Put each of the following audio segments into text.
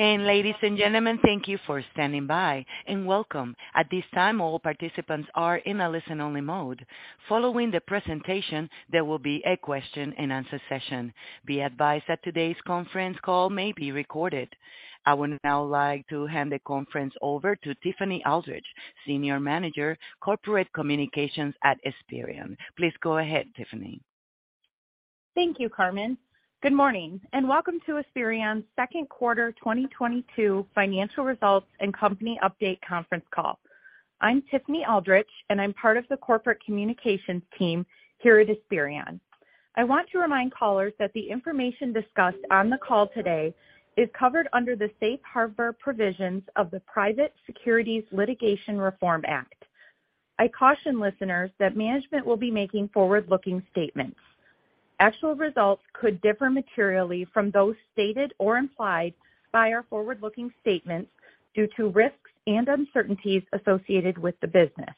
Ladies and gentlemen, thank you for standing by, and welcome. At this time, all participants are in a listen-only mode. Following the presentation, there will be a question and answer session. Be advised that today's conference call may be recorded. I would now like to hand the conference over to Tiffany Aldrich, Senior Manager, Corporate Communications at Esperion. Please go ahead, Tiffany. Thank you, Carmen. Good morning, and welcome to Esperion's second quarter 2022 financial results and company update conference call. I'm Tiffany Aldrich, and I'm part of the corporate communications team here at Esperion. I want to remind callers that the information discussed on the call today is covered under the safe harbor provisions of the Private Securities Litigation Reform Act. I caution listeners that management will be making forward-looking statements. Actual results could differ materially from those stated or implied by our forward-looking statements due to risks and uncertainties associated with the business.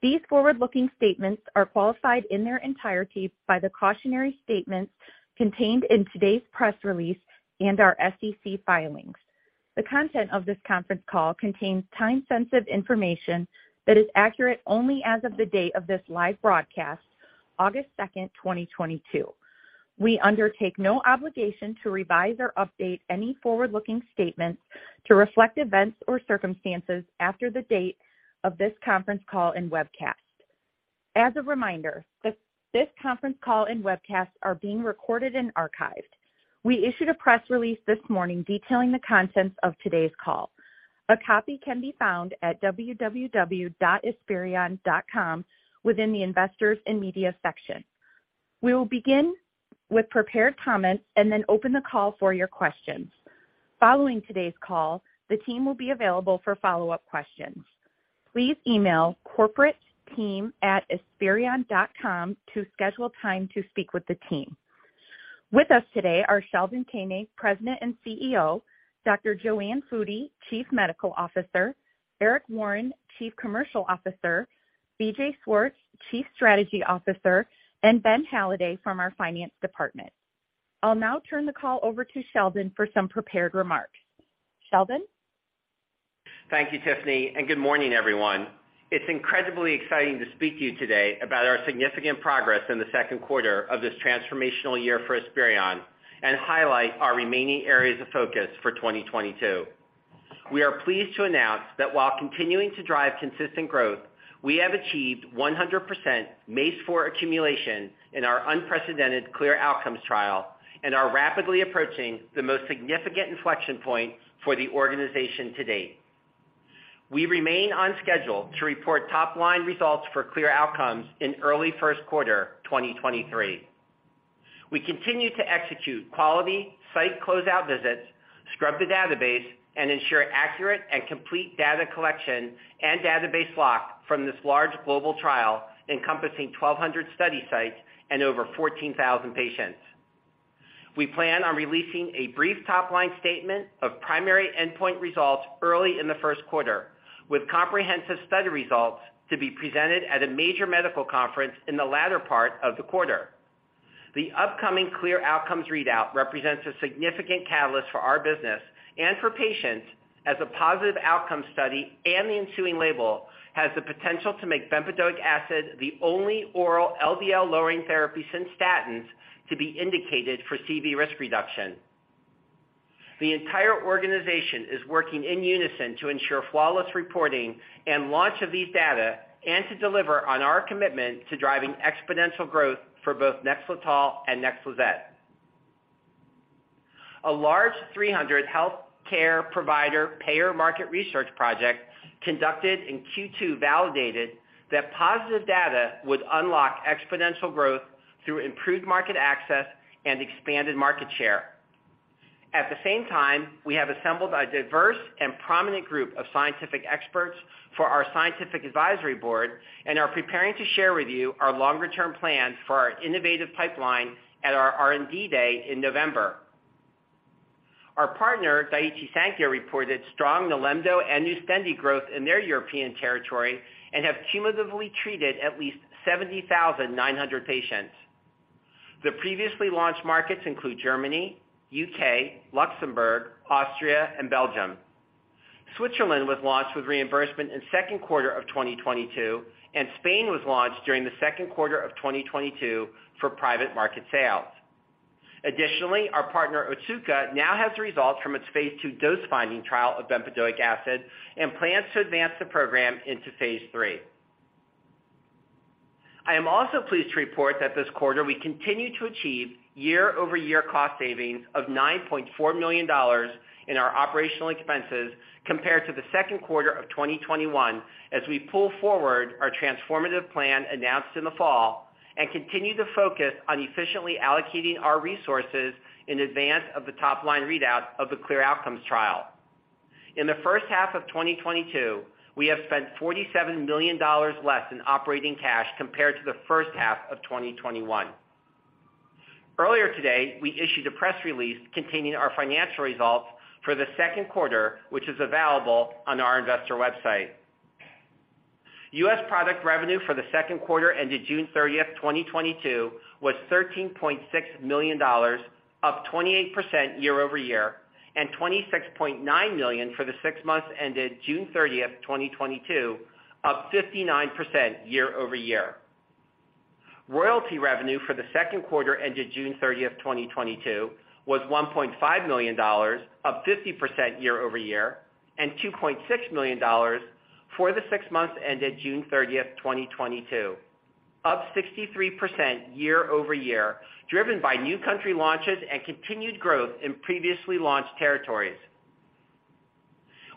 These forward-looking statements are qualified in their entirety by the cautionary statements contained in today's press release and our SEC filings. The content of this conference call contains time-sensitive information that is accurate only as of the date of this live broadcast, August 2nd, 2022. We undertake no obligation to revise or update any forward-looking statements to reflect events or circumstances after the date of this conference call and webcast. As a reminder, this conference call and webcast are being recorded and archived. We issued a press release this morning detailing the contents of today's call. A copy can be found at www.esperion.com within the investors and media section. We will begin with prepared comments and then open the call for your questions. Following today's call, the team will be available for follow-up questions. Please e-mail corporateteam@esperion.com to schedule time to speak with the team. With us today are Sheldon Koenig, President and CEO, Dr. JoAnne Foody, Chief Medical Officer, Eric Warren, Chief Commercial Officer, BJ Swartz, Chief Strategy Officer, and Ben Halladay from our finance department. I'll now turn the call over to Sheldon for some prepared remarks. Sheldon? Thank you, Tiffany, and good morning, everyone. It's incredibly exciting to speak to you today about our significant progress in the second quarter of this transformational year for Esperion and highlight our remaining areas of focus for 2022. We are pleased to announce that while continuing to drive consistent growth, we have achieved 100% MACE-4 accumulation in our unprecedented CLEAR Outcomes trial and are rapidly approaching the most significant inflection point for the organization to date. We remain on schedule to report top-line results for CLEAR Outcomes in early first quarter 2023. We continue to execute quality site closeout visits, scrub the database, and ensure accurate and complete data collection and database lock from this large global trial encompassing 1,200 study sites and over 14,000 patients. We plan on releasing a brief top-line statement of primary endpoint results early in the first quarter, with comprehensive study results to be presented at a major medical conference in the latter part of the quarter. The upcoming CLEAR Outcomes readout represents a significant catalyst for our business and for patients as a positive outcome study and the ensuing label has the potential to make bempedoic acid the only oral LDL-lowering therapy since statins to be indicated for CV risk reduction. The entire organization is working in unison to ensure flawless reporting and launch of these data and to deliver on our commitment to driving exponential growth for both NEXLETOL and NEXLIZET. A large 300 healthcare provider payer market research project conducted in Q2 validated that positive data would unlock exponential growth through improved market access and expanded market share. At the same time, we have assembled a diverse and prominent group of scientific experts for our scientific advisory board and are preparing to share with you our longer-term plans for our innovative pipeline at our R&D Day in November. Our partner, Daiichi Sankyo, reported strong NILEMDO and NUSTENDI growth in their European territory and have cumulatively treated at least 70,900 patients. The previously launched markets include Germany, U.K., Luxembourg, Austria, and Belgium. Switzerland was launched with reimbursement in second quarter of 2022, and Spain was launched during the second quarter of 2022 for private market sales. Additionally, our partner, Otsuka, now has the results from its phase two dose-finding trial of bempedoic acid and plans to advance the program into phase III. I am also pleased to report that this quarter we continue to achieve year-over-year cost savings of $9.4 million in our operational expenses compared to the second quarter of 2021 as we pull forward our transformative plan announced in the fall and continue to focus on efficiently allocating our resources in advance of the top-line readout of the CLEAR Outcomes trial. In the first half of 2022, we have spent $47 million less in operating cash compared to the first half of 2021. Earlier today, we issued a press release containing our financial results for the second quarter, which is available on our investor website. U.S. product revenue for the second quarter ended June 30th, 2022 was $13.6 million, up 28% year over year, and $26.9 million for the six months ended June 30th, 2022, up 59% year-over-year. Royalty revenue for the second quarter ended June 30th, 2022 was $1.5 million, up 50% year-over-year, and $2.6 million for the six months ended June 30th, 2022, up 63% year-over-year, driven by new country launches and continued growth in previously launched territories.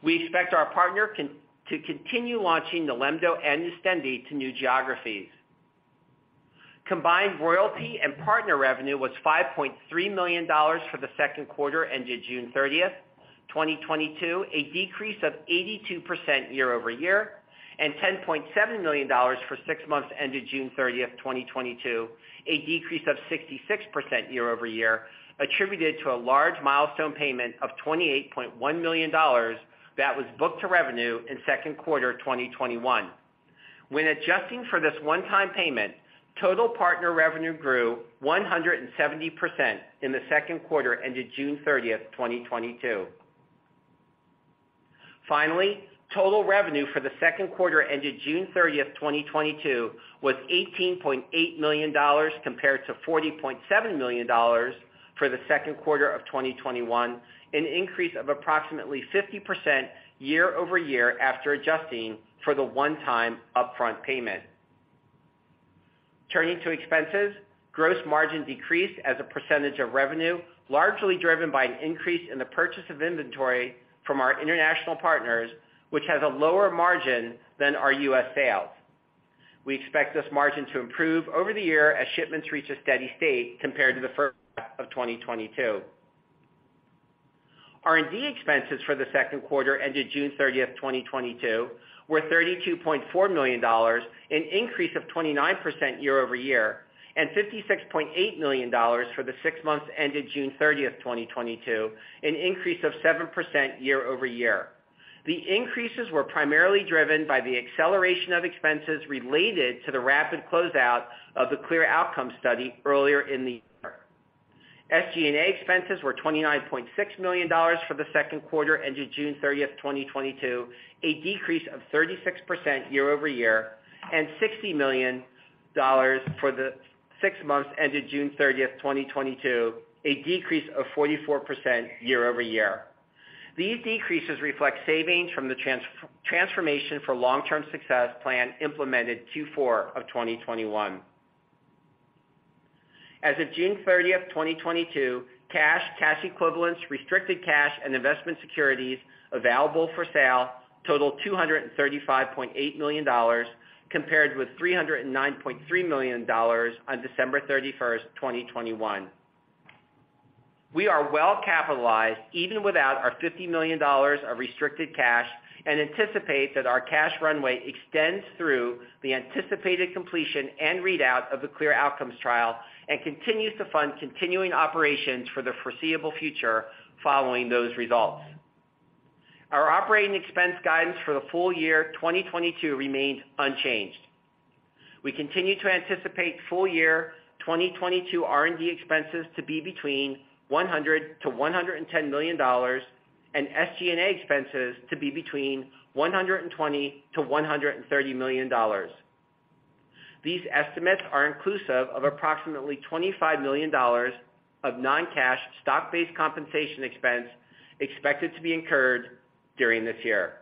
We expect our partner to continue launching NILEMDO and NUSTENDI to new geographies. Combined royalty and partner revenue was $5.3 million for the second quarter ended June 30th, 2022, a decrease of 82% year-over-year, and $10.7 million for six months ended June 30th, 2022, a decrease of 66% year-over-year, attributed to a large milestone payment of $28.1 million that was booked to revenue in second quarter 2021. When adjusting for this one-time payment, total partner revenue grew 170% in the second quarter ended June 30th, 2022. Finally, total revenue for the second quarter ended June 30th, 2022 was $18.8 million compared to $40.7 million for the second quarter of 2021, an increase of approximately 50% year-over-year after adjusting for the one-time upfront payment. Turning to expenses, gross margin decreased as a percentage of revenue, largely driven by an increase in the purchase of inventory from our international partners, which has a lower margin than our U.S. sales. We expect this margin to improve over the year as shipments reach a steady state compared to the first half of 2022. R&D expenses for the second quarter ended June 30th, 2022 were $32.4 million, an increase of 29% year-over-year, and $56.8 million for the six months ended June 30th, 2022, an increase of 7% year-over-year. The increases were primarily driven by the acceleration of expenses related to the rapid closeout of the CLEAR Outcomes study earlier in the year. SG&A expenses were $29.6 million for the second quarter ended June 30th, 2022, a decrease of 36% year-over-year, and $60 million for the six months ended June 30th, 2022, a decrease of 44% year-over-year. These decreases reflect savings from the transformation for long-term success plan implemented Q4 of 2021. As of June 30th, 2022, cash equivalents, restricted cash and investment securities available for sale totaled $235.8 million compared with $309.3 million on December 31st, 2021. We are well capitalized even without our $50 million of restricted cash and anticipate that our cash runway extends through the anticipated completion and readout of the CLEAR Outcomes trial and continues to fund continuing operations for the foreseeable future following those results. Our operating expense guidance for the full-year 2022 remains unchanged. We continue to anticipate full-year 2022 R&D expenses to be between $100 million-$110 million and SG&A expenses to be between $120 million-$130 million. These estimates are inclusive of approximately $25 million of non-cash stock-based compensation expense expected to be incurred during this year.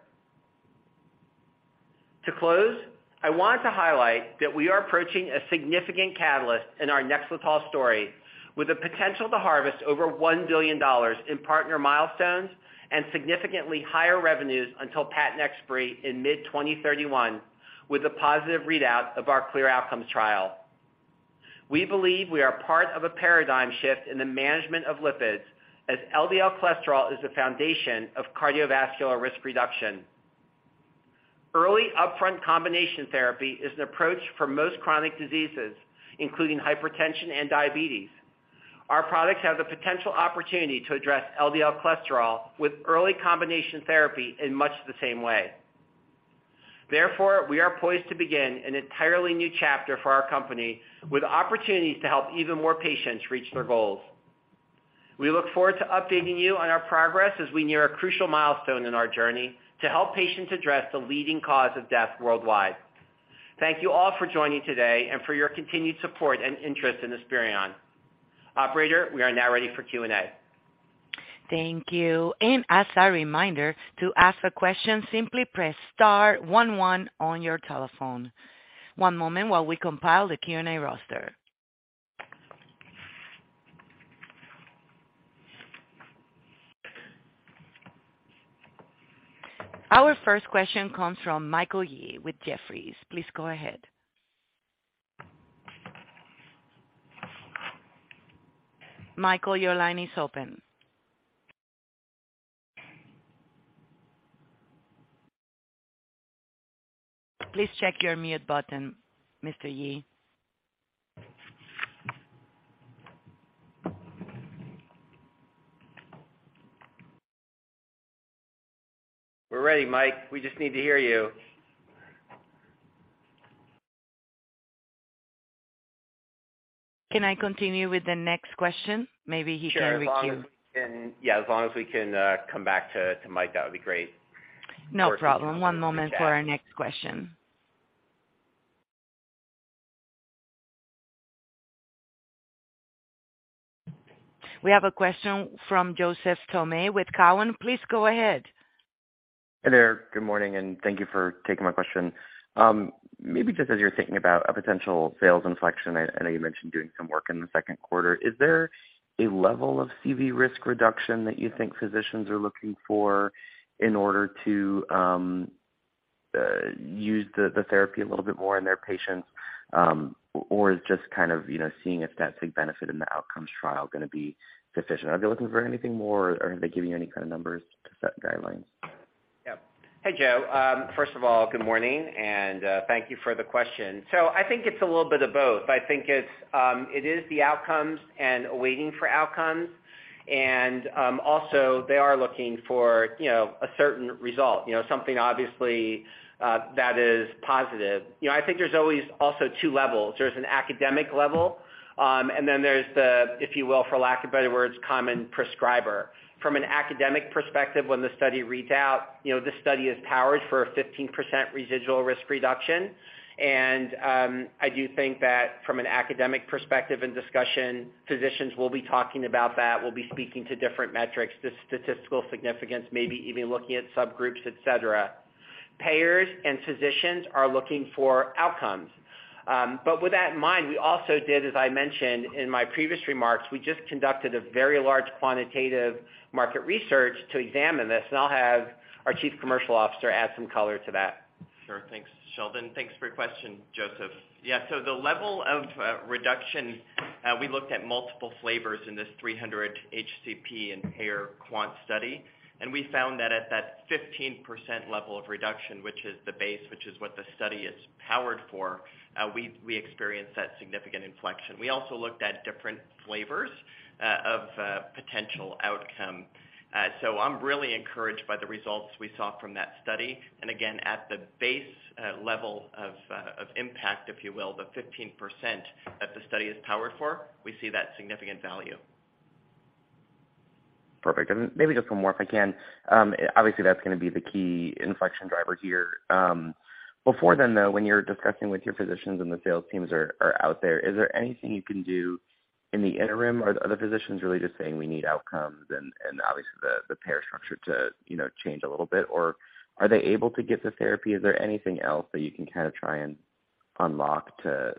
To close, I want to highlight that we are approaching a significant catalyst in our NEXLETOL story with the potential to harvest over $1 billion in partner milestones and significantly higher revenues until patent expiry in mid-2031 with a positive readout of our CLEAR Outcomes trial. We believe we are part of a paradigm shift in the management of lipids as LDL cholesterol is the foundation of cardiovascular risk reduction. Early upfront combination therapy is an approach for most chronic diseases, including hypertension and diabetes. Our products have the potential opportunity to address LDL cholesterol with early combination therapy in much the same way. Therefore, we are poised to begin an entirely new chapter for our company with opportunities to help even more patients reach their goals. We look forward to updating you on our progress as we near a crucial milestone in our journey to help patients address the leading cause of death worldwide. Thank you all for joining today and for your continued support and interest in Esperion. Operator, we are now ready for Q&A. Thank you. As a reminder to ask a question, simply press star one one on your telephone. One moment while we compile the Q&A roster. Our first question comes from Michael Yee with Jefferies. Please go ahead. Michael, your line is open. Please check your mute button, Mr. Yee. We're ready, Mike. We just need to hear you. Can I continue with the next question? Sure. As long as we can, yeah, as long as we can, come back to Mike, that would be great. No problem. One moment for our next question. We have a question from Joseph Thome with Cowen. Please go ahead. Hey there. Good morning, and thank you for taking my question. Maybe just as you're thinking about a potential sales inflection, I know you mentioned doing some work in the second quarter. Is there a level of CV risk reduction that you think physicians are looking for in order to use the therapy a little bit more in their patients? Or is just kind of, you know, seeing if that big benefit in the outcomes trial gonna be sufficient? Are they looking for anything more, or have they given you any kind of numbers to set guidelines? Yeah. Hey, Joe. First of all, good morning, and thank you for the question. I think it's a little bit of both. I think it is the outcomes and waiting for outcomes. Also, they are looking for, you know, a certain result, you know, something obviously that is positive. You know, I think there's always also two levels. There's an academic level, and then there's the, if you will, for lack of better words, common prescriber. From an academic perspective, when the study reads out, you know, this study is powered for a 15% residual risk reduction. I do think that from an academic perspective and discussion, physicians will be talking about that. We'll be speaking to different metrics, the statistical significance, maybe even looking at subgroups, et cetera. Payers and physicians are looking for outcomes. With that in mind, we also did, as I mentioned in my previous remarks, we just conducted a very large quantitative market research to examine this, and I'll have our Chief Commercial Officer add some color to that. Sure. Thanks, Sheldon. Thanks for your question, Joseph. Yeah, so the level of reduction we looked at multiple flavors in this 300 HCP and payer quant study, and we found that at that 15% level of reduction, which is the base, which is what the study is powered for, we experienced that significant inflection. We also looked at different flavors of potential outcome. So I'm really encouraged by the results we saw from that study. Again, at the base level of impact, if you will, the 15% that the study is powered for, we see that significant value. Perfect. Maybe just one more, if I can. Obviously, that's gonna be the key inflection driver here. Before then, though, when you're discussing with your physicians and the sales teams are out there, is there anything you can do in the interim? Or are the physicians really just saying we need outcomes and obviously the payer structure to, you know, change a little bit? Or are they able to get the therapy? Is there anything else that you can kind of try and unlock to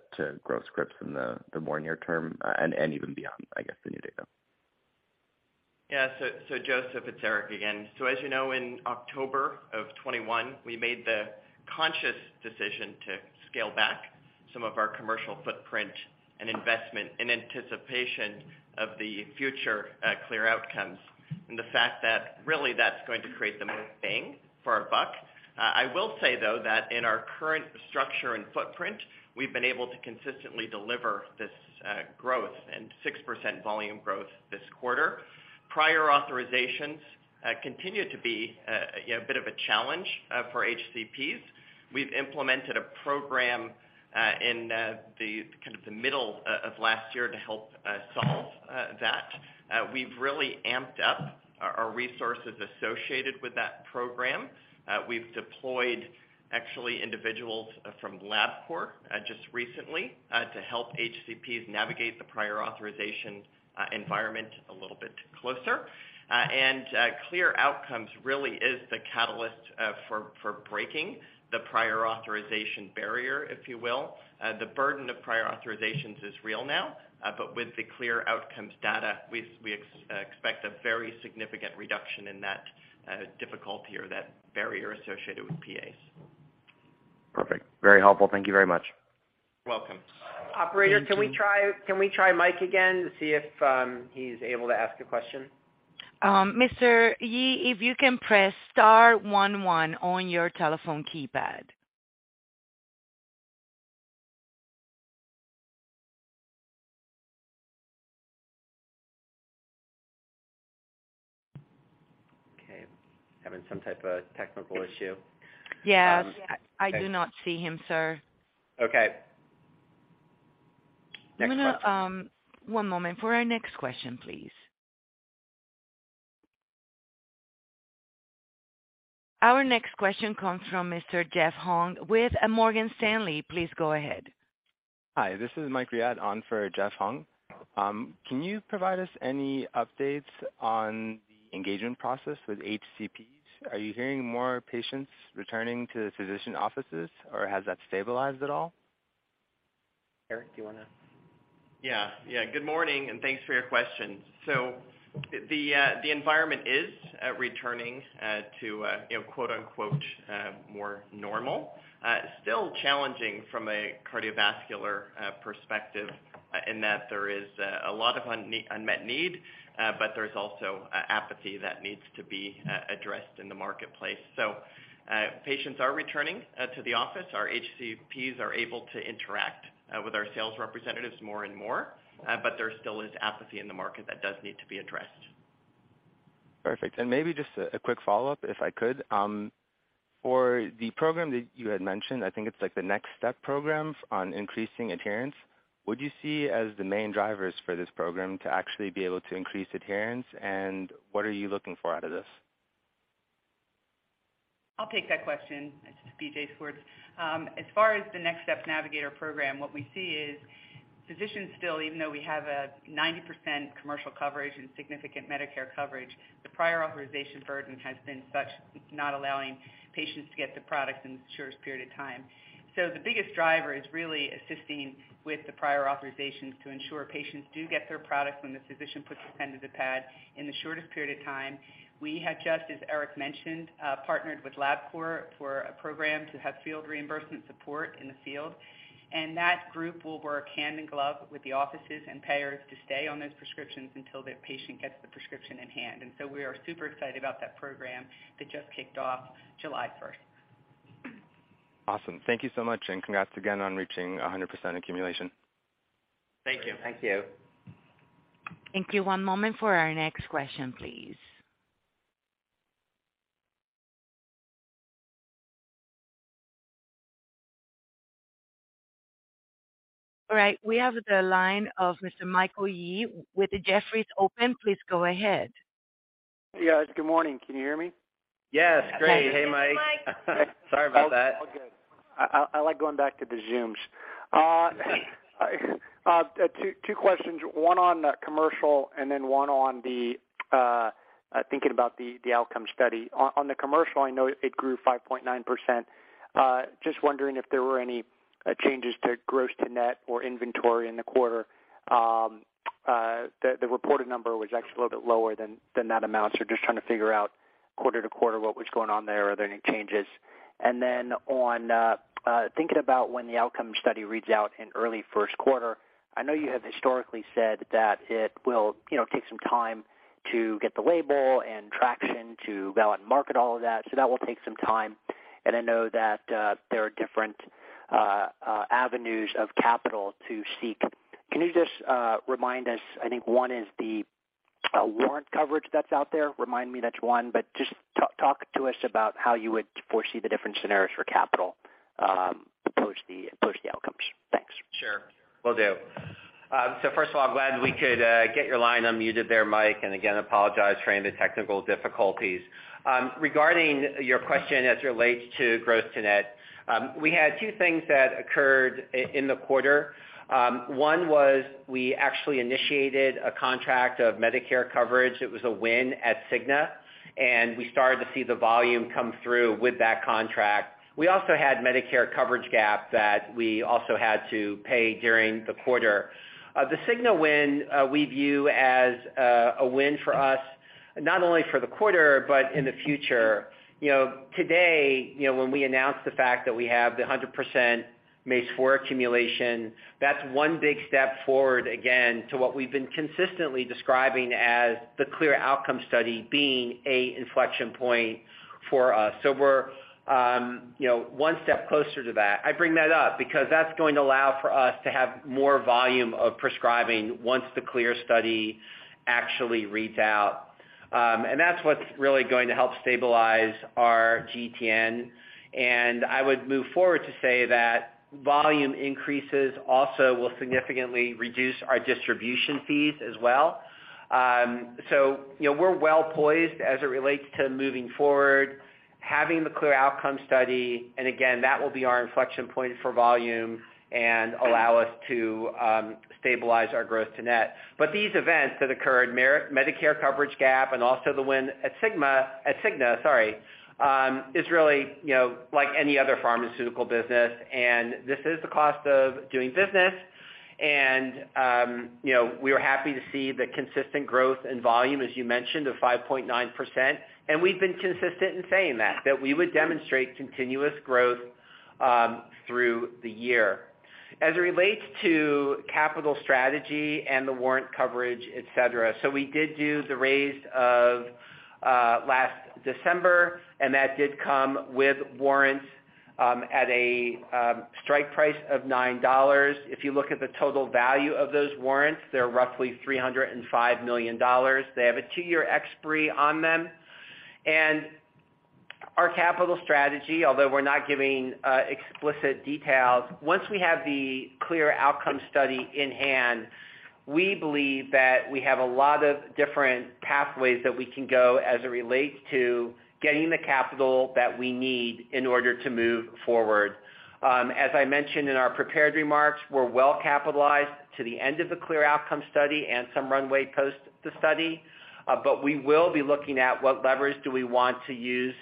grow scripts in the more near term, and even beyond, I guess, the new data? Yeah. Joseph, it's Eric again. As you know, in October of 2021, we made the conscious decision to scale back some of our commercial footprint and investment in anticipation of the future CLEAR Outcomes and the fact that really that's going to create the most bang for our buck. I will say, though, that in our current structure and footprint, we've been able to consistently deliver this growth and 6% volume growth this quarter. Prior authorizations continue to be, you know, a bit of a challenge for HCPs. We've implemented a program in the middle of last year to help solve that. We've really amped up our resources associated with that program. We've deployed actually individuals from Labcorp just recently to help HCPs navigate the prior authorization environment a little bit closer. CLEAR Outcomes really is the catalyst for breaking the prior authorization barrier, if you will. The burden of prior authorizations is real now, but with the CLEAR Outcomes data, we expect a very significant reduction in that difficulty or that barrier associated with PAs. Perfect. Very helpful. Thank you very much. Welcome. Operator, can we try Mike again to see if he's able to ask a question? Mr. Yee, if you can press star one one on your telephone keypad. Okay. Having some type of technical issue. Yes. Okay. I do not see him, sir. Okay. Next question. One moment for our next question, please. Our next question comes from Mr. Jeff Hung with Morgan Stanley. Please go ahead. Hi, this is Mike Riad on for Jeff Hung. Can you provide us any updates on the engagement process with HCPs? Are you hearing more patients returning to physician offices, or has that stabilized at all? Eric, do you wanna? Yeah. Good morning, and thanks for your question. The environment is returning to, you know, "more normal". Still challenging from a cardiovascular perspective in that there is a lot of unmet need, but there's also apathy that needs to be addressed in the marketplace. Patients are returning to the office. Our HCPs are able to interact with our sales representatives more and more, but there still is apathy in the market that does need to be addressed. Perfect. Maybe just a quick follow-up, if I could. For the program that you had mentioned, I think it's like the NEXSTEP programs on increasing adherence. What do you see as the main drivers for this program to actually be able to increase adherence, and what are you looking for out of this? I'll take that question. This is BJ Swartz. As far as the NEXTSTEP Navigator program, what we see is physicians still, even though we have a 90% commercial coverage and significant Medicare coverage, the prior authorization burden has been such not allowing patients to get the product in the shortest period of time. The biggest driver is really assisting with the prior authorizations to ensure patients do get their product when the physician puts his pen to the pad in the shortest period of time. We have just, as Eric mentioned, partnered with Labcorp for a program to have field reimbursement support in the field, and that group will work hand in glove with the offices and payers to stay on those prescriptions until the patient gets the prescription in hand. We are super excited about that program that just kicked off July 1st. Awesome. Thank you so much, and congrats again on reaching 100% accumulation. Thank you. Thank you. Thank you. One moment for our next question, please. All right, we have the line of Mr. Michael Yee with Jefferies open. Please go ahead. Hey, guys. Good morning. Can you hear me? Yes. Great. Hey, Mike. Hey, Mike. Sorry about that. All good. I like going back to the Zooms. Two questions, one on commercial and then one on thinking about the outcome study. On the commercial, I know it grew 5.9%. Just wondering if there were any changes to gross to net or inventory in the quarter. The reported number was actually a little bit lower than that amount. Just trying to figure out quarter to quarter what was going on there. Are there any changes? Then on thinking about when the outcome study reads out in early first quarter, I know you have historically said that it will, you know, take some time to get the label and traction to go out and market all of that. That will take some time. I know that there are different avenues of capital to seek. Can you just remind us, I think one is the warrant coverage that's out there. Remind me that's one. But just talk to us about how you would foresee the different scenarios for capital post the outcomes. Thanks. Sure, will do. So first of all, I'm glad we could get your line unmuted there, Mike. Again, apologize for any of the technical difficulties. Regarding your question as it relates to gross to net, we had two things that occurred in the quarter. One was we actually initiated a contract of Medicare coverage. It was a win at Cigna, and we started to see the volume come through with that contract. We also had Medicare coverage gap that we also had to pay during the quarter. The Cigna win, we view as a win for us, not only for the quarter but in the future. You know, today, you know, when we announce the fact that we have the 100% MACE-4 accumulation, that's one big step forward, again, to what we've been consistently describing as the CLEAR Outcomes study being an inflection point for us. We're, you know, one step closer to that. I bring that up because that's going to allow for us to have more volume of prescribing once the CLEAR study actually reads out. That's what's really going to help stabilize our GTN. I would move forward to say that volume increases also will significantly reduce our distribution fees as well. You know, we're well poised as it relates to moving forward, having the CLEAR Outcomes study, and again, that will be our inflection point for volume and allow us to stabilize our growth to net. These events that occurred, Medicare coverage gap and also the win at Cigna, is really, you know, like any other pharmaceutical business, and this is the cost of doing business. We are happy to see the consistent growth in volume, as you mentioned, of 5.9%. We've been consistent in saying that we would demonstrate continuous growth through the year. As it relates to capital strategy and the warrant coverage, et cetera, we did do the raise last December, and that did come with warrants at a strike price of $9. If you look at the total value of those warrants, they're roughly $305 million. They have a two-year expiry on them. Our capital strategy, although we're not giving explicit details, once we have the CLEAR Outcomes study in hand, we believe that we have a lot of different pathways that we can go as it relates to getting the capital that we need in order to move forward. As I mentioned in our prepared remarks, we're well capitalized to the end of the CLEAR Outcomes study and some runway post the study. We will be looking at what leverage do we want to use,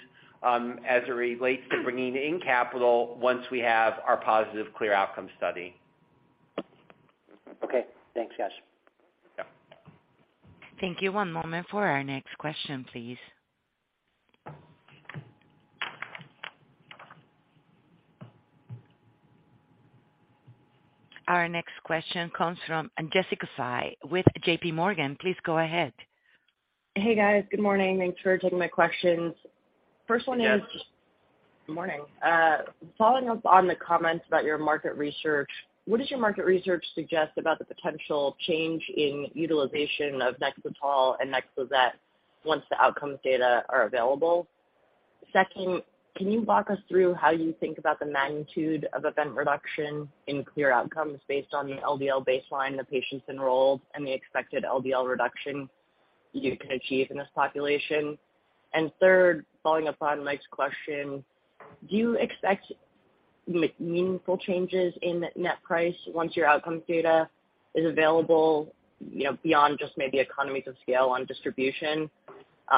as it relates to bringing in capital once we have our positive CLEAR Outcomes study. Okay, thanks guys. Yeah. Thank you. One moment for our next question, please. Our next question comes from Jessica Fye with JPMorgan. Please go ahead. Hey, guys. Good morning. Thanks for taking my questions. First one is. Good morning. Following up on the comments about your market research, what does your market research suggest about the potential change in utilization of NEXLETOL and NEXLIZET once the outcomes data are available? Second, can you walk us through how you think about the magnitude of event reduction in CLEAR Outcomes based on the LDL baseline, the patients enrolled and the expected LDL reduction you can achieve in this population? Third, following up on Mike's question, do you expect meaningful changes in net price once your outcome data is available, you know, beyond just maybe economies of scale on distribution?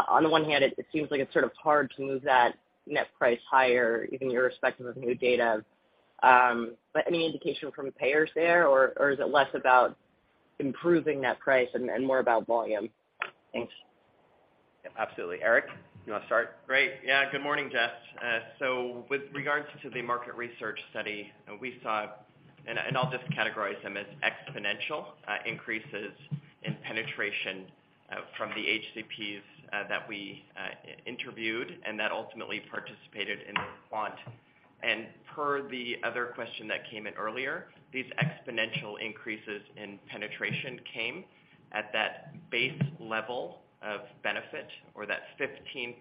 On the one hand, it seems like it's sort of hard to move that net price higher, even irrespective of new data. But any indication from payers there, or is it less about improving net price and more about volume? Thanks. Absolutely. Eric, you wanna start? Great. Yeah. Good morning, Jess. With regards to the market research study we saw, and I'll just categorize them as exponential increases in penetration from the HCPs that we interviewed and that ultimately participated in the quant. Per the other question that came in earlier, these exponential increases in penetration came at that base level of benefit or that 15%,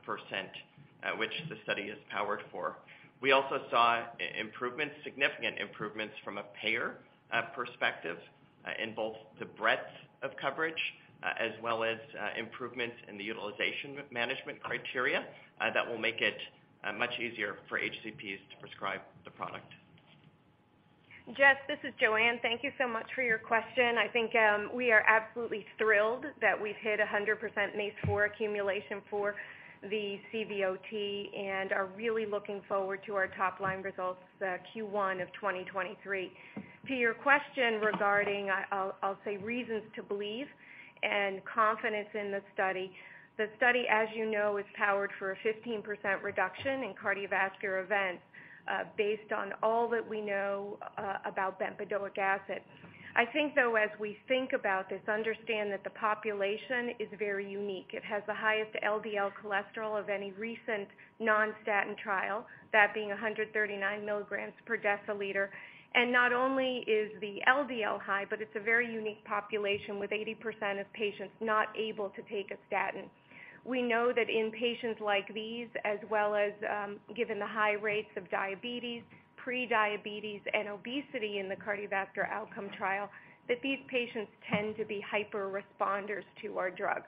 which the study is powered for. We also saw improvements, significant improvements from a payer perspective, in both the breadth of coverage as well as improvements in the utilization management criteria that will make it much easier for HCPs to prescribe the product. Jessica, this is Joanne. Thank you so much for your question. I think we are absolutely thrilled that we've hit 100% MACE-4 accumulation for the CVOT and are really looking forward to our top line results Q1 of 2023. To your question regarding, I'll say reasons to believe and confidence in the study. The study, as you know, is powered for a 15% reduction in cardiovascular events based on all that we know about bempedoic acid. I think though, as we think about this, understand that the population is very unique. It has the highest LDL cholesterol of any recent non-statin trial, that being 139 mg/dL. Not only is the LDL high, but it's a very unique population with 80% of patients not able to take a statin. We know that in patients like these, as well as, given the high rates of diabetes, pre-diabetes and obesity in the cardiovascular outcome trial, that these patients tend to be hyper responders to our drug.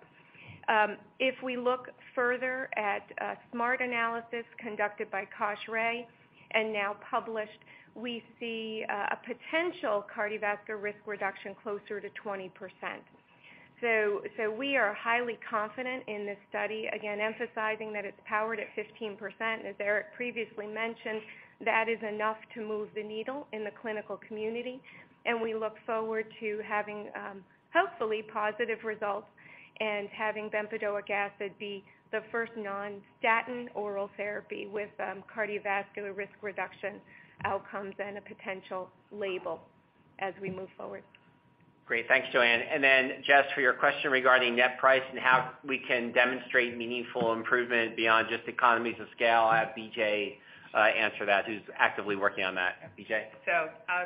If we look further at a SMART analysis conducted by Kaus Ray and now published, we see, a potential cardiovascular risk reduction closer to 20%. We are highly confident in this study, again, emphasizing that it's powered at 15%. As Eric previously mentioned, that is enough to move the needle in the clinical community, and we look forward to having, hopefully positive results and having bempedoic acid be the first non-statin oral therapy with, cardiovascular risk reduction outcomes and a potential label as we move forward. Great. Thanks, JoAnne. Jessica, for your question regarding net price and how we can demonstrate meaningful improvement beyond just economies of scale, I'll have BJ answer that, who's actively working on that. BJ?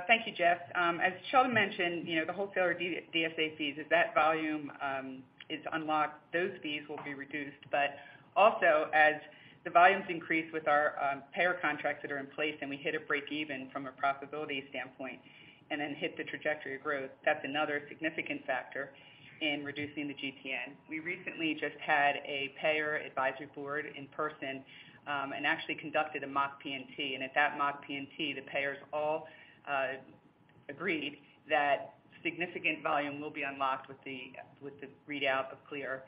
Thank you, Jess. As Sheldon mentioned, you know, the wholesaler D-DSA fees, if that volume is unlocked, those fees will be reduced. Also, as the volumes increase with our payer contracts that are in place and we hit a breakeven from a profitability standpoint and then hit the trajectory of growth, that's another significant factor in reducing the GTN. We recently just had a payer advisory board in person and actually conducted a mock P&T. At that mock P&T, the payers all agreed that significant volume will be unlocked with the readout of CLEAR.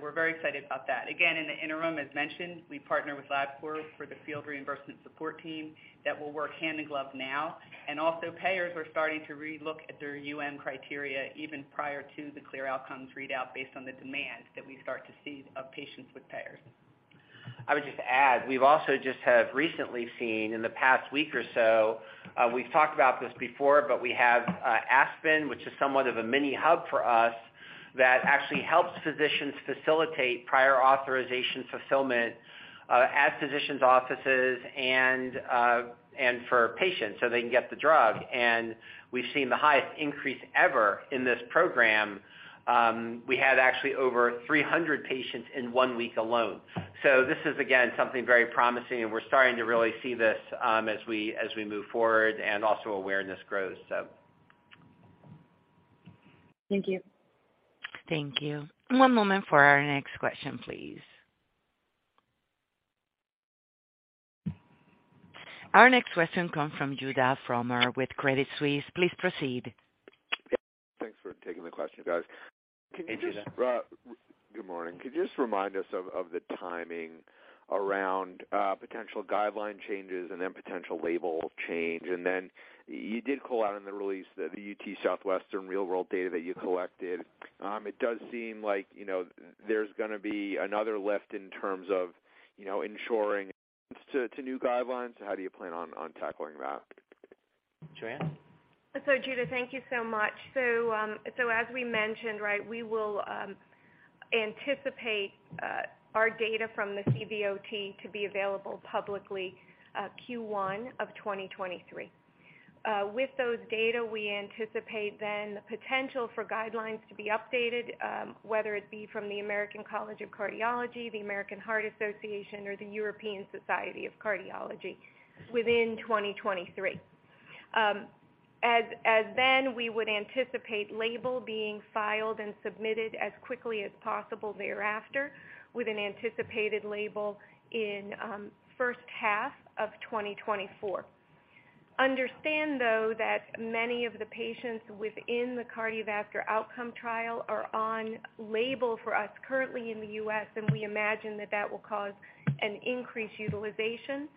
We're very excited about that. Again, in the interim, as mentioned, we partner with Labcorp for the field reimbursement support team that will work hand in glove now. Payers are starting to re-look at their UM criteria even prior to the CLEAR Outcomes readout based on the demand that we start to see of patients with payers. I would just add, we've also just have recently seen in the past week or so, we've talked about this before, but we have Aspen, which is somewhat of a mini hub for us that actually helps physicians facilitate prior authorization fulfillment at physicians' offices and for patients so they can get the drug. We've seen the highest increase ever in this program. We had actually over 300 patients in one week alone. This is, again, something very promising and we're starting to really see this as we move forward and also awareness grows. Thank you. Thank you. One moment for our next question, please. Our next question comes from Judah Frommer with Credit Suisse. Please proceed. Yeah. Thanks for taking the question, guys. Hey, Judah. Good morning. Could you just remind us of the timing around potential guideline changes and then potential label change? You did call out in the release the UT Southwestern real world data that you collected. It does seem like, you know, there's gonna be another lift in terms of, you know, ensuring to new guidelines. How do you plan on tackling that? Judah, thank you so much. As we mentioned, right, we will anticipate our data from the CVOT to be available publicly, Q1 of 2023. With those data, we anticipate then the potential for guidelines to be updated, whether it be from the American College of Cardiology, the American Heart Association, or the European Society of Cardiology within 2023. As then we would anticipate label being filed and submitted as quickly as possible thereafter, with an anticipated label in first half of 2024. Understand, though, that many of the patients within the cardiovascular outcome trial are on label for us currently in the U.S., and we imagine that that will cause an increased utilization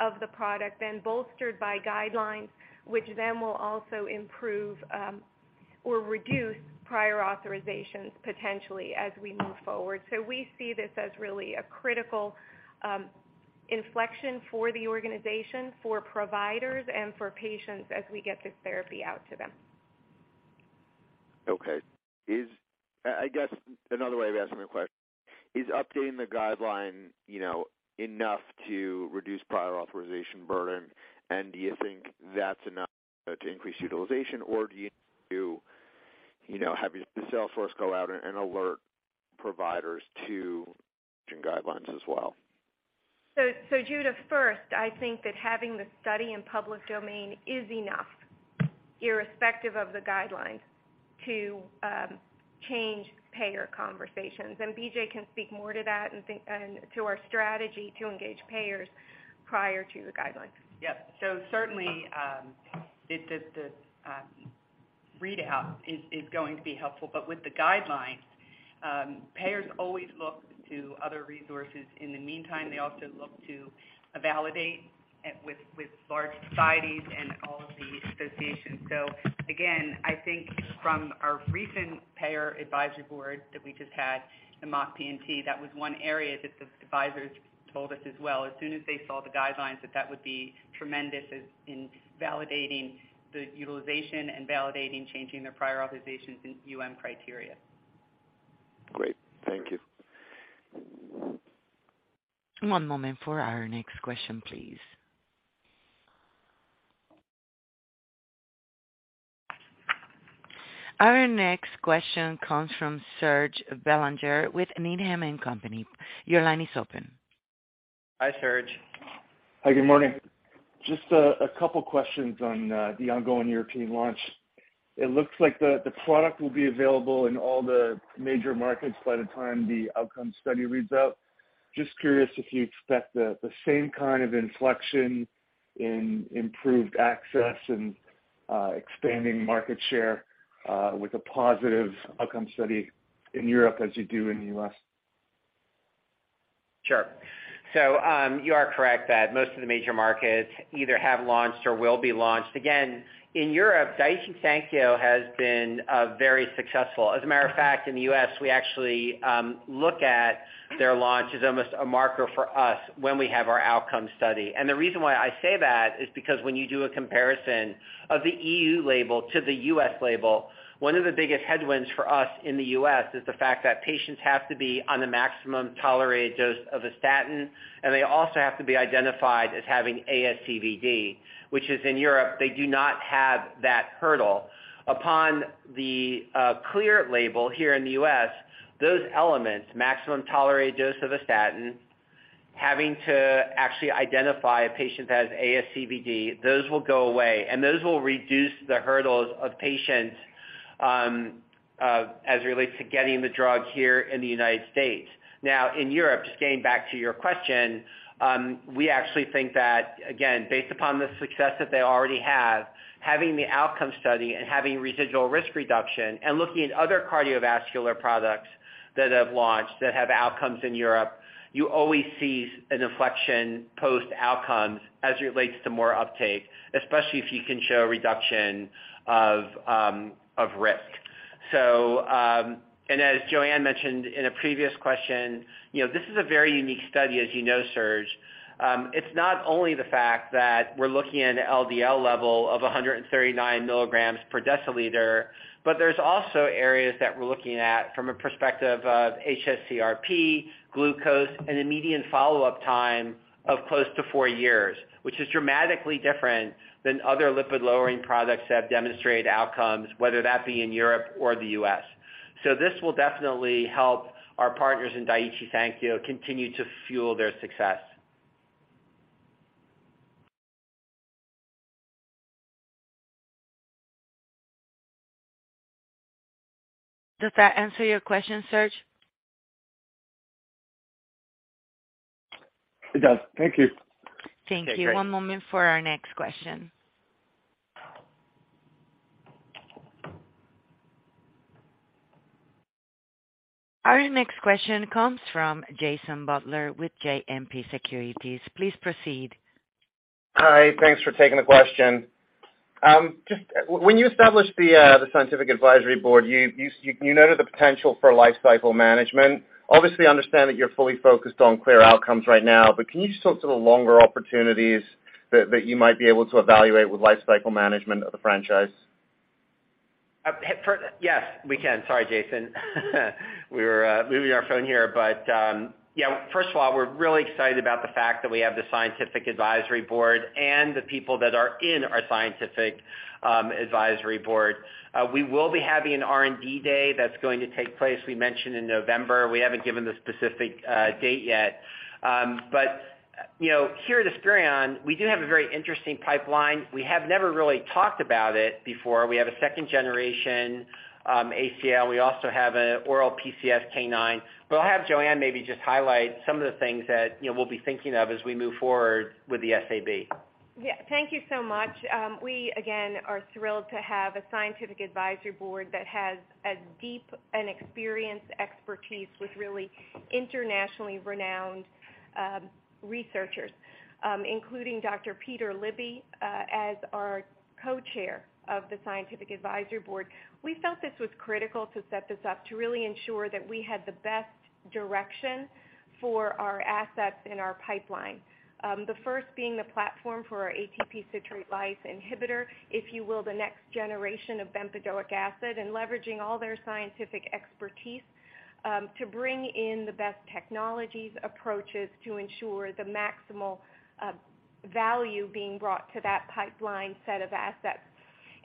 of the product, then bolstered by guidelines, which then will also improve or reduce prior authorizations potentially as we move forward. We see this as really a critical inflection for the organization, for providers and for patients as we get this therapy out to them. Okay. I guess another way of asking the question is updating the guideline, you know, enough to reduce prior authorization burden, and do you think that's enough to increase utilization or do you know, have your sales force go out and alert providers to guidelines as well? Judah, first, I think that having the study in public domain is enough, irrespective of the guidelines, to change payer conversations. BJ can speak more to that and to our strategy to engage payers prior to the guidelines. Yep. Certainly, the readout is going to be helpful. With the guidelines, payers always look to other resources. In the meantime, they also look to validate with large societies and all of the associations. Again, I think from our recent payer advisory board that we just had, the mock P&T, that was one area that the advisors told us as well. As soon as they saw the guidelines, that would be tremendous as in validating the utilization and validating changing their prior authorizations in UM criteria. Great. Thank you. One moment for our next question, please. Our next question comes from Serge Belanger with Needham & Company. Your line is open. Hi, Serge. Hi, good morning. Just a couple questions on the ongoing European launch. It looks like the product will be available in all the major markets by the time the outcome study reads out. Just curious if you expect the same kind of inflection in improved access and expanding market share with a positive outcome study in Europe as you do in the U.S. Sure. You are correct that most of the major markets either have launched or will be launched. Again, in Europe, Daiichi Sankyo has been very successful. As a matter of fact, in the U.S., we actually look at their launch as almost a marker for us when we have our outcome study. The reason why I say that is because when you do a comparison of the EU label to the U.S. label, one of the biggest headwinds for us in the U.S. is the fact that patients have to be on the maximum tolerated dose of a statin, and they also have to be identified as having ASCVD, which is in Europe, they do not have that hurdle. Upon the CLEAR label here in the U.S., those elements, maximum tolerated dose of a statin, having to actually identify a patient that has ASCVD, those will go away, and those will reduce the hurdles of patients as it relates to getting the drug here in the United States. Now, in Europe, just getting back to your question, we actually think that again, based upon the success that they already have, having the outcomes study and having residual risk reduction and looking at other cardiovascular products that have launched, that have outcomes in Europe, you always see an inflection post-outcomes as it relates to more uptake, especially if you can show reduction of risk. And as Joanne mentioned in a previous question, you know, this is a very unique study as you know, Serge. It's not only the fact that we're looking at an LDL level of 139 mg/dL, but there's also areas that we're looking at from a perspective of hsCRP, glucose, and a median follow-up time of close to four years, which is dramatically different than other lipid-lowering products that have demonstrated outcomes, whether that be in Europe or the U.S. This will definitely help our partners in Daiichi Sankyo continue to fuel their success. Does that answer your question, Serge? It does. Thank you. Okay, great. Thank you. One moment for our next question. Our next question comes from Jason Butler with JMP Securities. Please proceed. Hi. Thanks for taking the question. Just, when you established the scientific advisory board, you noted the potential for lifecycle management. Obviously, understand that you're fully focused on CLEAR Outcomes right now, but can you just talk to the longer opportunities that you might be able to evaluate with lifecycle management of the franchise? Yes, we can. Sorry, Jason. We were moving our phone here. Yeah, first of all, we're really excited about the fact that we have the scientific advisory board and the people that are in our scientific advisory board. We will be having an R&D Day that's going to take place, we mentioned in November. We haven't given the specific date yet. You know, here at Esperion, we do have a very interesting pipeline. We have never really talked about it before. We have a second-generation ACLY. We also have an oral PCSK9. I'll have Joanne maybe just highlight some of the things that, you know, we'll be thinking of as we move forward with the SAB. Yeah. Thank you so much. We, again, are thrilled to have a scientific advisory board that has a deep and experienced expertise with really internationally renowned researchers, including Dr. Peter Libby, as our co-chair of the scientific advisory board. We felt this was critical to set this up, to really ensure that we had the best direction for our assets in our pipeline. The first being the platform for our ATP-citrate lyase inhibitor, if you will, the next generation of bempedoic acid, and leveraging all their scientific expertise to bring in the best technologies, approaches to ensure the maximal value being brought to that pipeline set of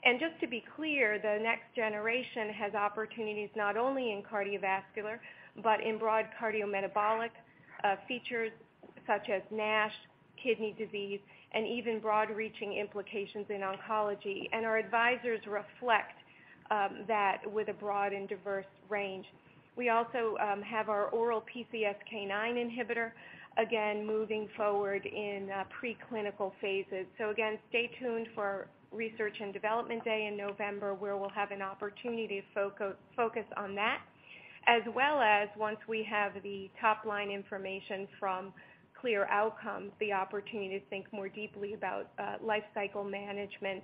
assets. Just to be clear, the next generation has opportunities not only in cardiovascular, but in broad cardiometabolic features such as NASH, kidney disease, and even broad-reaching implications in oncology. Our advisors reflect that with a broad and diverse range. We also have our oral PCSK9 inhibitor, again, moving forward in preclinical phases. Again, stay tuned for Research and Development Day in November, where we'll have an opportunity to focus on that, as well as once we have the top-line information from CLEAR Outcomes, the opportunity to think more deeply about lifecycle management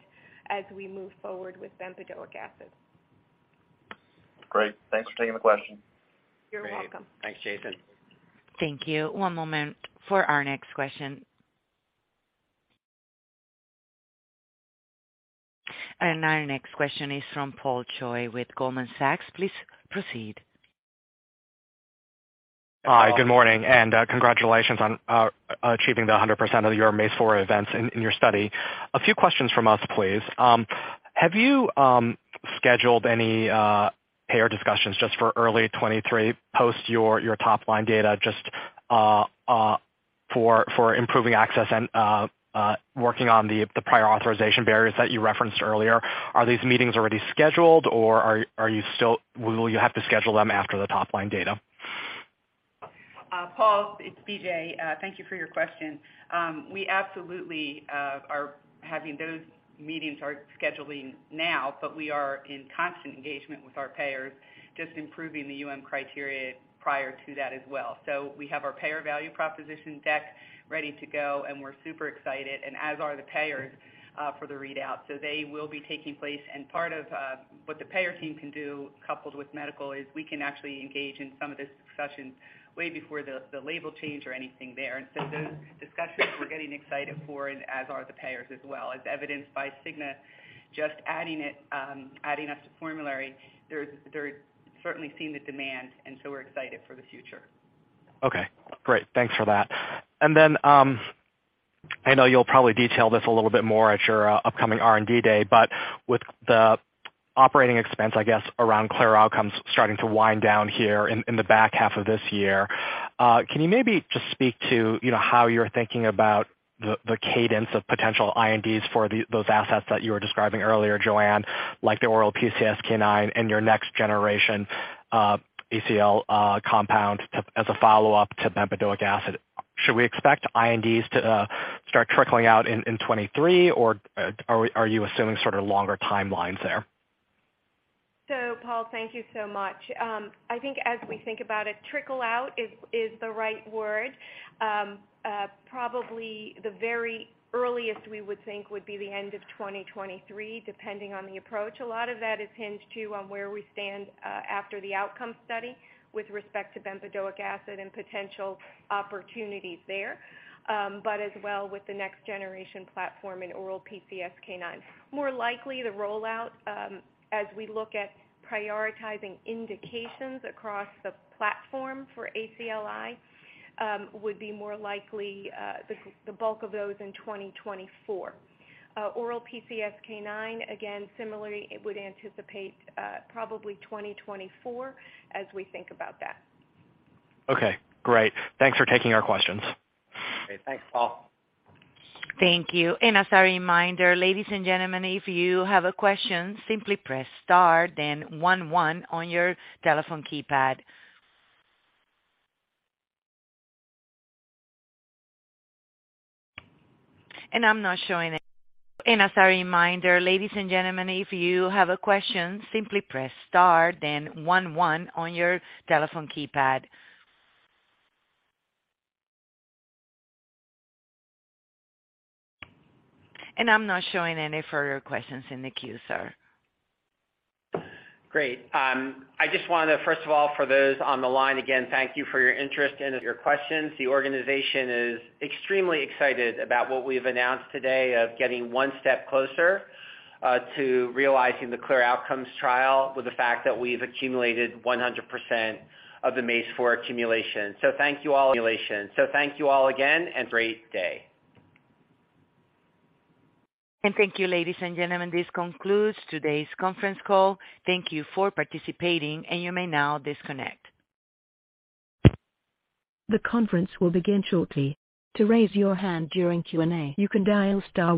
as we move forward with bempedoic acid. Great. Thanks for taking the question. You're welcome. Great. Thanks, Jason. Thank you. One moment for our next question. Our next question is from Paul Choi with Goldman Sachs. Please proceed. Hi, good morning, and congratulations on achieving 100% of your MACE-4 events in your study. A few questions from us, please. Have you scheduled any payer discussions just for early 2023, post your top-line data just for improving access and working on the prior authorization barriers that you referenced earlier? Are these meetings already scheduled or are you still? Will you have to schedule them after the top-line data? Paul, it's BJ. Thank you for your question. We absolutely are having those meetings, are scheduling now, but we are in constant engagement with our payers, just improving the UM criteria prior to that as well. We have our payer value proposition deck ready to go, and we're super excited, and as are the payers for the readout. They will be taking place. Part of what the payer team can do, coupled with medical, is we can actually engage in some of this discussion way before the label change or anything there. Those discussions we're getting excited for and as are the payers as well, as evidenced by Cigna just adding it, adding us to formulary. They're certainly seeing the demand, and so we're excited for the future. Okay, great. Thanks for that. I know you'll probably detail this a little bit more at your upcoming R&D Day but, with the operating expense, I guess, around CLEAR Outcomes starting to wind down here in the back half of this year, can you maybe just speak to, you know, how you're thinking about the cadence of potential INDs for those assets that you were describing earlier, JoAnne, like the oral PCSK9 and your next generation ACLY compound as a follow-up to bempedoic acid? Should we expect INDs to start trickling out in 2023 or are you assuming sort of longer timelines there? Paul, thank you so much. I think as we think about it, trickle out is the right word. Probably the very earliest we would think would be the end of 2023, depending on the approach. A lot of that is hinged too on where we stand after the outcome study with respect to bempedoic acid and potential opportunities there, but as well with the next generation platform in oral PCSK9. More likely the rollout, as we look at prioritizing indications across the platform for ACLY, would be more likely, the bulk of those in 2024. Oral PCSK9, again, similarly, it would anticipate, probably 2024 as we think about that. Okay, great. Thanks for taking our questions. Okay, thanks, Paul. Thank you. As a reminder, ladies and gentlemen, if you have a question, simply press star then one on your telephone keypad. I'm not showing any further questions in the queue, sir. Great. I just wanna, first of all, for those on the line, again, thank you for your interest and your questions. The organization is extremely excited about what we've announced today of getting one step closer to realizing the CLEAR Outcomes trial with the fact that we've accumulated 100% of the MACE-4 accumulation. So thank you all again, and have a great day. Thank you, ladies and gentlemen. This concludes today's conference call. Thank you for participating, and you may now disconnect. The conference will begin shortly. To raise your hand during Q&A, you can dial star one.